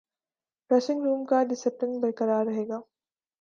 dressing room کا discipline برقرار رہے گا